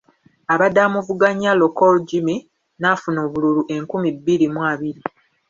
Abadde amuvuganya Lokor Jimmy n'afuna obululu enkumi bibiri mu abiri.